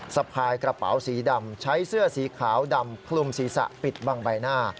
สะพายกระเป๋าสีดำใช้เสื้อสีขาวดำคลุมศีรษะปิดบังใบหน้า